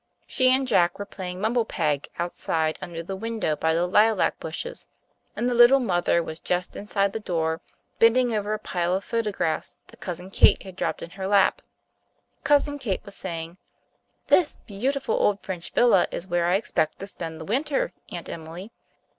She and Jack were playing mumble peg outside under the window by the lilac bushes, and the little mother was just inside the door, bending over a pile of photographs that Cousin Kate had dropped in her lap. Cousin Kate was saying, "This beautiful old French villa is where I expect to spend the winter, Aunt Emily.